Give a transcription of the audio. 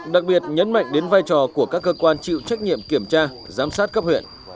đặc biệt nhấn mạnh đến vai trò của các cơ quan chịu trách nhiệm kiểm tra giám sát cấp huyện